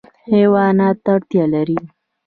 حیوانات اړتیا لري.